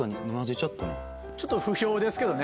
ちょっと不評ですけどね